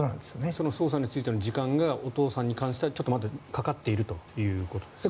その捜査についての時間がお父さんに関してはまだかかっているということですね。